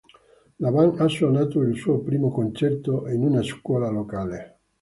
La band ha suonato il suo primo concerto in una scuola locale.